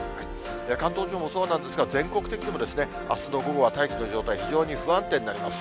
関東地方もそうなんですが、全国的にもですね、あすの午後は大気の状態、非常に不安定になります。